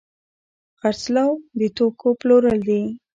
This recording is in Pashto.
خرڅلاو د توکو پلورل دي.